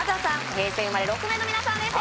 平成生まれ６名の皆さんです